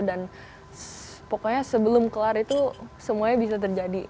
dan pokoknya sebelum kelar itu semuanya bisa terjadi